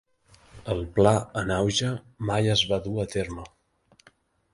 El pla en auge mai es va dur a terme.